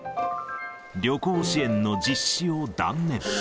旅行支援の実施を断念。